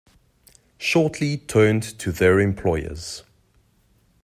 Shorty turned to their employers.